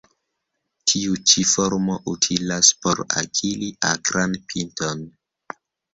Tiu ĉi formo utilas por akiri akran pinton.